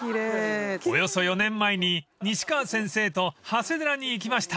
［およそ４年前に西川先生と長谷寺に行きました］